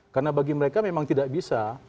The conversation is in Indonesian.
karena bagi mereka memang tidak bisa